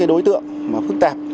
đối tượng phức tạp